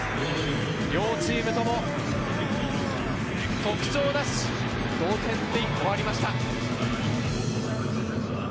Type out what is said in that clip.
両チームとも特徴を出し、同点に終わりました。